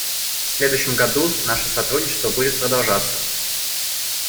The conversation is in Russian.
В следующем году наше сотрудничество будет продолжаться.